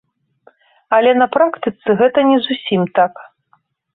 Але на практыцы гэта не зусім так.